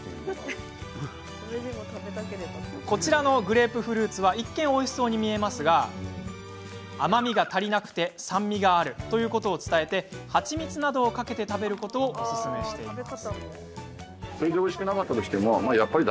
こちらのグレープフルーツは一見おいしそうに見えますが甘みが足りなくて酸味があることを伝え蜂蜜などをかけて食べることをおすすめしています。